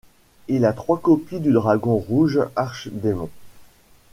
Il a trois copies du Dragon Rouge Archdémon.